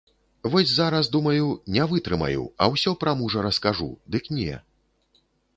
Вось зараз, думаю, не вытрымаю, а ўсё пра мужа раскажу, дык не.